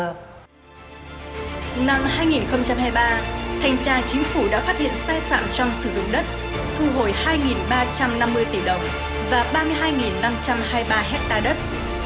năm hai nghìn hai mươi ba thanh tra chính phủ đã phát hiện sai phạm trong sử dụng đất thu hồi hai ba trăm năm mươi tỷ đồng và ba mươi hai năm trăm hai mươi ba hectare đất